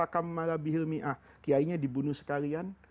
kiainya dibunuh sekalian